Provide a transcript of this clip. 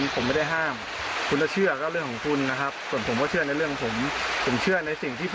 ผมเชื่อในสิ่งที่ผมมองเห็นผมไม่เชื่อในสิ่งที่มองไม่เห็น